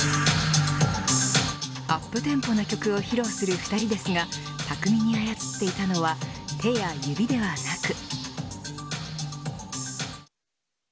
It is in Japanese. アップテンポな曲を披露する２人ですが巧みに操っていたのは手や指ではなく。